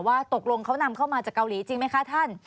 ตกลงเขานำเข้ามาจากเกาหลีจริงไหมคะท่าน